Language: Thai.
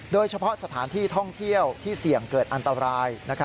โดยเฉพาะสถานที่ท่องเที่ยวที่เสี่ยงเกิดอันตราย